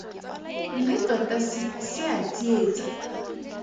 Mme tota se se a tsietsa.